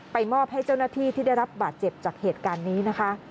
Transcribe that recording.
มอบให้เจ้าหน้าที่ที่ได้รับบาดเจ็บจากเหตุการณ์นี้นะคะ